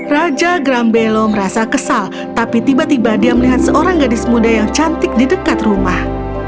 raja grambelo merasa kesal tapi tiba tiba dia melihat seorang gadis muda yang cantik di dekat rumah